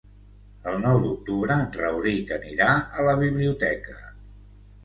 El nou d'octubre en Rauric anirà a la biblioteca.